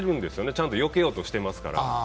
ちゃんとよけようとしてますから。